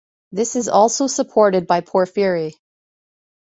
This is also supported by Porphyry.